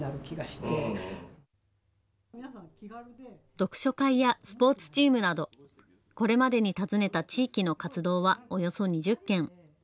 読書会やスポーツチームなどこれまでに訪ねた地域の活動はおよそ２０件。